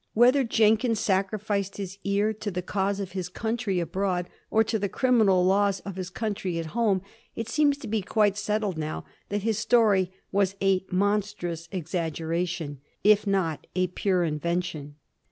Whether Jenkins sac rificed his ear to the cause of his country abroad or to the criminal laws of his country at home, it seems to be quite settled now that his story was a monstrous exaggeration, if not a pure invention.